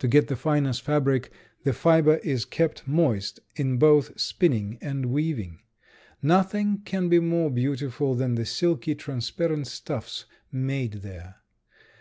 To get the finest fabric the fiber is kept moist in both spinning and weaving. Nothing can be more beautiful than the silky, transparent stuffs made there.